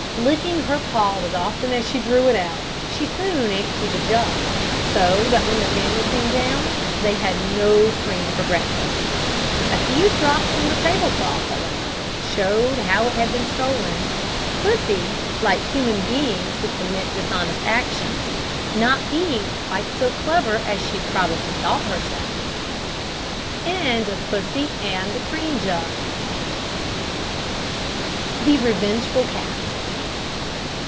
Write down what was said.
Licking her paw as often as she drew it out, she soon emptied the jug, so that when the family came down they had no cream for breakfast. A few drops on the table cloth, however, showed how it had been stolen Pussy, like human beings who commit dishonest actions, not being quite so clever as she probably thought herself. THE REVENGEFUL CAT.